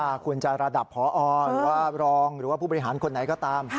ว่าคุณจะระดับพอหรือว่ารองหรือว่าผู้บริหารคนไหนก็ตาม